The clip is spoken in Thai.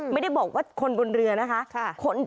ไม่ได้บอกว่าคนบนเรือนะคะ